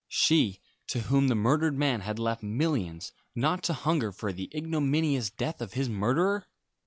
She, to whom the murdered man had left millions, not to hunger for the ignominious death of his murderer!